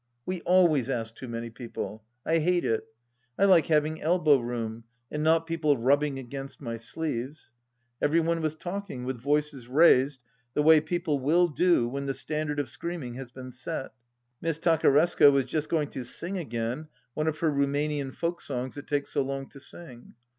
We always ask too many people. I hate it. I like having elbow room, and not people rubbing against my sleeves. Every one was talking, with voices raised the way people will do when the standard of screaming has been set. Miss Takaresco was just going to sing again, one of her Rumanian folk songs that take so long to sihg.